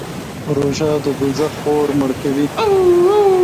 روژه د دوزخ اور مړ کوي.